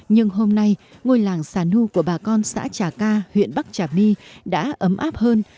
nhưng hôm nay ngôi làng sản hưu của bà con xã trà ca huyện bắc trà my đã ấm áp hơn